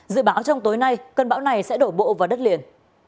dự báo trong tối nay cơn bão này sẽ đổ bộ vào đất liền